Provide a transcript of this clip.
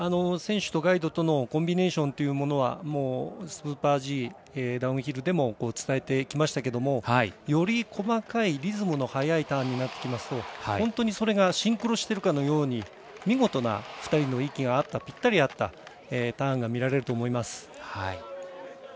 選手とガイドとのコミュニケーションというものはスーパーＧ、ダウンヒルでも伝えてきましたけどより細かいリズムの早いターンになってきますと本当にそれがシンクロしてるかのように見事な２人の息がぴったり合ったターンが見られると思います。